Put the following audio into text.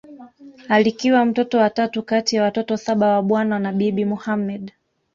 Alikiwa mtoto wa tatu kati ya watoto saba wa Bwana na Bibi Mohamed